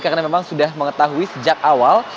karena memang sudah mengetahui sejak awal